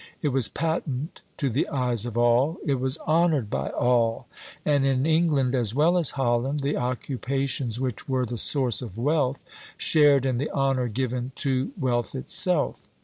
It was patent to the eyes of all; it was honored by all; and in England, as well as Holland, the occupations which were the source of wealth shared in the honor given to wealth itself.